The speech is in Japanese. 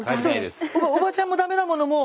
おばちゃんもダメだものもう。